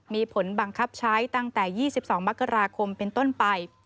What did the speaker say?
มีผลบังคับใช้ตั้งแต่๒๒มกราคมเป็นต้นไป